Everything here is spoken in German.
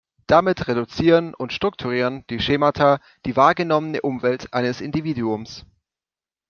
Damit reduzieren und strukturieren die Schemata die wahrgenommene Umwelt eines Individuums.